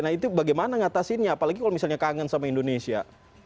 nah itu bagaimana ngatasinnya apalagi kalau misalnya kangen sama indonesia